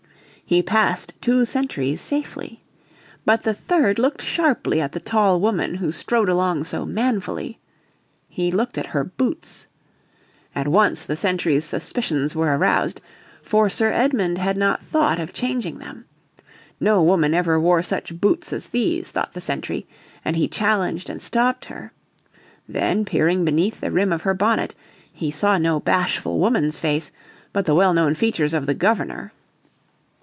He passed two sentries safely. But the third looked sharply at the tall woman who strode along so manfully. He looked at her boots. At once the sentry's suspicions were aroused; for Sir Edmund had not thought of changing them. No woman ever wore such boots as these, thought the sentry, and he challenged and stopped her. Then, peering beneath the rim of her bonnet, he saw no bashful woman's face, but the well known features of the Governor.